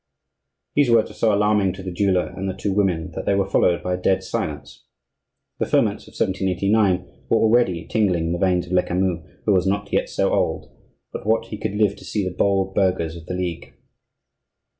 These words were so alarming to the jeweller and the two women that they were followed by a dead silence. The ferments of 1789 were already tingling in the veins of Lecamus, who was not yet so old but what he could live to see the bold burghers of the Ligue.